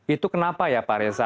itu kenapa ya pak reza